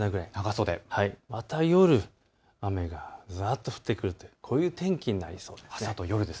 そしてまた夜、雨がざっと降るという、こういう天気になりそうです。